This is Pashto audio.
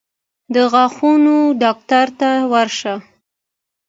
د غاښونو ډاکټر ته ورشئ